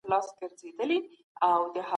ملنډي د زړه د ټپ لامل کېږي.